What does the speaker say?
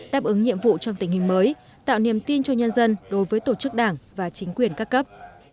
đáp ứng nhiệm vụ trong tình hình mới tạo niềm tin cho nhân dân đối với tổ chức đảng và chính quyền các cấp